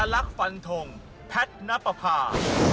อลักษณ์ฟันธงแพทย์นะปภา